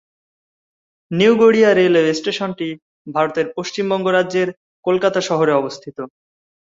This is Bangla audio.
নিউ গড়িয়া রেলওয়ে স্টেশনটি ভারতের পশ্চিমবঙ্গ রাজ্যের কলকাতা শহরে অবস্থিত।